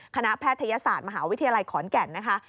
แพทยศาสตร์มหาวิทยาลัยขอนแก่นนะคะ